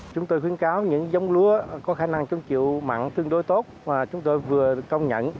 chúng tôi khuyến cáo những giống lúa có khả năng chống chịu mặn tương đối tốt mà chúng tôi vừa công nhận